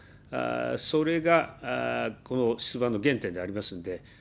それがこの出馬の原点でありますんで。